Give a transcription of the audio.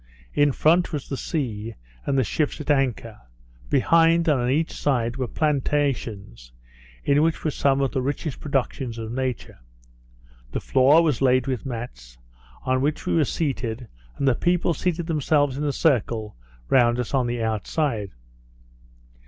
In front was the sea, and the ships at anchor; behind, and on each side, were plantations, in which were some of the richest productions of Nature. The floor was laid with mats, on which we were seated, and the people seated themselves in a circle round us on the outside.